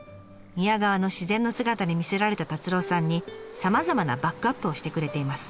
宮川の自然の姿に魅せられた達朗さんにさまざまなバックアップをしてくれています。